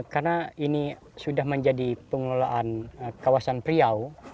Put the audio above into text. karena ini sudah menjadi pengelolaan kawasan pria